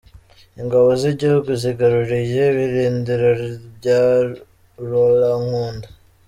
Ingabo z’igihugu zigaruriye ibirindiro bya Rolankunda